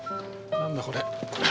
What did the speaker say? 何だこれ。